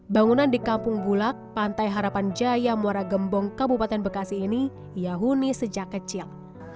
bangunan di kampung bulak pantai harapan jaya muara gembong kabupaten bekasi ini yahuni sejak kecil